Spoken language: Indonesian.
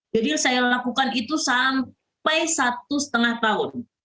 jadi saya lakukan itu sampai satu setengah tahun